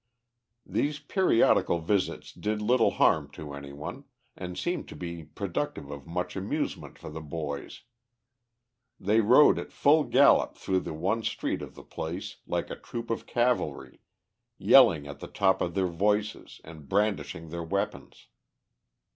These periodical visits did little harm to any one, and seemed to be productive of much amusement for the boys. They rode at full gallop through the one street of the place like a troop of cavalry, yelling at the top of their voices and brandishing their weapons.